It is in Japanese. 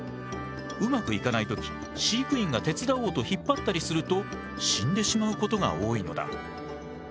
うまくいかない時飼育員が手伝おうと引っ張ったりすると死んでしまうことが多いのだ。